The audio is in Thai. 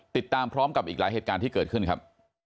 ติดตามพร้อมกับอีกหลายเหตุการณ์ที่เกิดขึ้นครับ